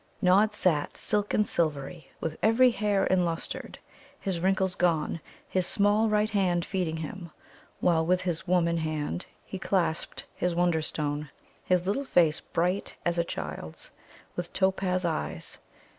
Nod sat silken silvery, with every hair enlustred, his wrinkles gone, his small right hand feeding him, while with his woman hand he clasped his Wonderstone, his little face bright as a child's, with topaz eyes.